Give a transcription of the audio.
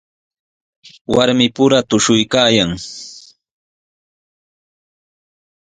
Warmipura tushuykaayan.